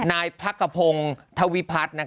นายพักภพงศ์ธวิพัฒน์